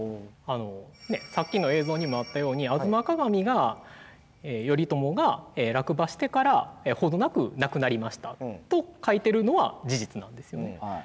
さっきの映像にもあったように「吾妻鏡」が頼朝が落馬してから程なく亡くなりましたと書いてるのは事実なんですよね。